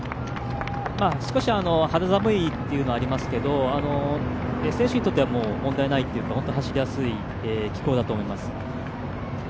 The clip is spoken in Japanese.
少し肌寒いというのはありますけど、選手にとっては走りやすい気温だと思います。